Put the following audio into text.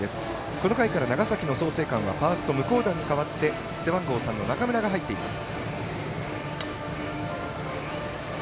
この回から、長崎の創成館はファースト向段に代わって背番号３の中村が入っています。